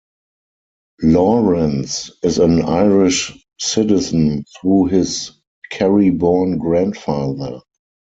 Lawrence is an Irish citizen through his Kerry-born grandfather.